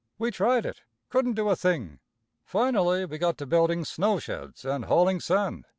We tried it. Couldn't do a thing. Finally we got to building snow sheds and hauling sand.